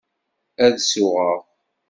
Ad suɣeɣ.